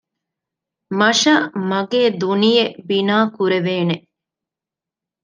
މަށަށް މަގޭ ދުނިޔެ ބިނާ ކުރެވޭނެ